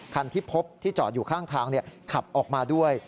ที่พบที่จอดอยู่ข้างทางขับออกมาด้วย